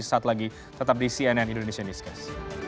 sesaat lagi tetap di cnn indonesia newscast